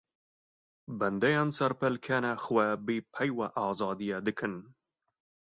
Bendeyên serpêl, kenê xwe bi peyva azadiyê dikin.